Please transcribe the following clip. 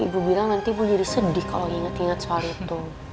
ibu bilang nanti ibu jadi sedih kalau inget inget soal itu